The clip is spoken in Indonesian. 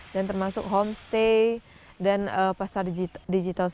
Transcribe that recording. dan termasuk homestay dan pasar digital